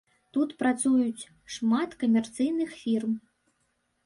Тут працуюць шмат камерцыйных фірм.